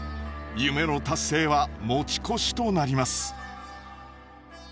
夢の達成は持ち越しとなります。